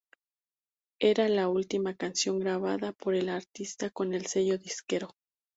Era la última canción grabada por el artista con el sello disquero.